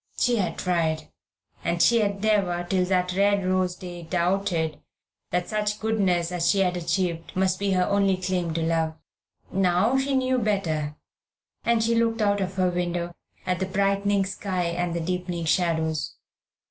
She had tried, and she had never till that red rose day doubted that such goodness as she had achieved must be her only claim to love. Now she knew better, and she looked out of her window at the brightening sky and the deepening shadows.